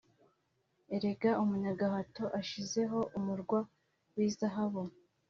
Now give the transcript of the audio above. Erega umunyagahato ashizeho Umurwa w’izahabu